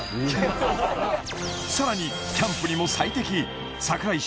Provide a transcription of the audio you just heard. さらにキャンプにも最適櫻井翔